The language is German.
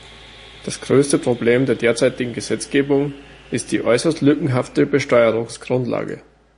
Das größte Problem der derzeitigen Gesetzgebung ist die äußerst lückenhafte Besteuerungsgrundlage.